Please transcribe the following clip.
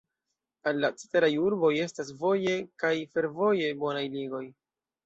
Al la ceteraj urboj estas voje kaj fervoje bonaj ligoj.